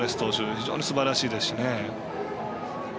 非常にすばらしいですしね。